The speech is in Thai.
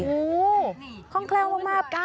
โอ้ข้องแคล่วมาก